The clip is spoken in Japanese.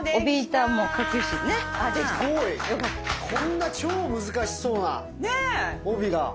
こんな超難しそうな帯が。